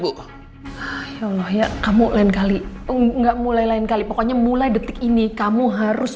bu ya allah ya kamu lain kali enggak mulai lain kali pokoknya mulai detik ini kamu harus